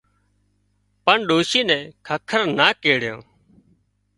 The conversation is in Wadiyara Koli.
پڻ ڏوشِي نين ککر نا ڪيڙتان